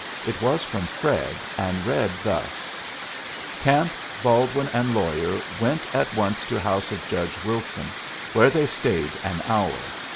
It was from Fred, and read thus: "Camp, Baldwin, and lawyer went at once to house of Judge Wilson, where they stayed an hour.